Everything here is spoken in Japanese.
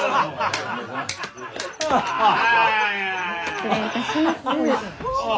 失礼いたします。